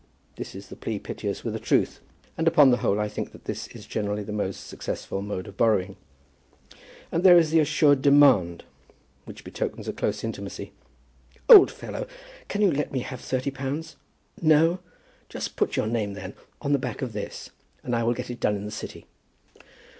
This is the plea piteous with a truth, and upon the whole I think that this is generally the most successful mode of borrowing. And there is the assured demand, which betokens a close intimacy. "Old fellow, can you let me have thirty pounds? No? Just put your name, then, on the back of this, and I'll get it done in the City."